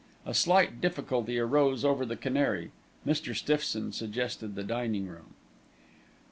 A slight difficulty arose over the canary, Mr. Stiffson suggested the dining room.